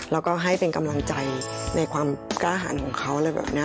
และให้เป็นกำลังใจในความกล้าหันของเขา